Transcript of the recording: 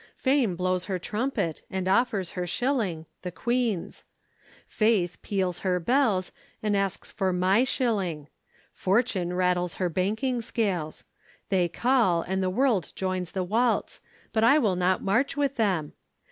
Fame blows her trumpet, and offers her shilling (the Queen's). Faith peals her bells, and asks for my shilling. Fortune rattles her banking scales. They call, and the world joins the waltz; but I will not march with them.